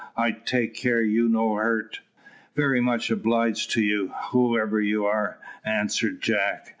I take care you no hurt." "Very much obliged to you, whoever you are," answered Jack.